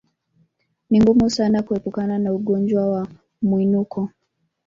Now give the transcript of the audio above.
Ni ngumu sana kuepukana na ugonjwa wa mwinuko